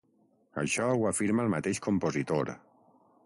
Això ho afirma el mateix compositor.